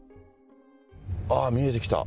ああ、見えてきた。